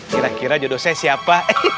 kira kira jodoh saya siapa